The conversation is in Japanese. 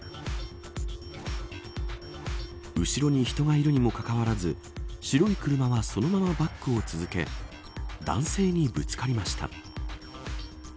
後ろに人がいるにもかかわらず白い車はそのままバックを続け男性にぶつかりました。